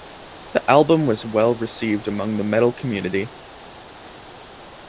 The album was well received among the metal community.